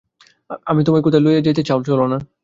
তুমি কোথায় আমাকে লইয়া যাইতে চাও, চলো-না।